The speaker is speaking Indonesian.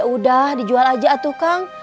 ya udah dijual aja atuh kang